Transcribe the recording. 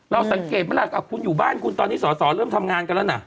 สังเกตไหมล่ะคุณอยู่บ้านคุณตอนนี้สอสอเริ่มทำงานกันแล้วนะ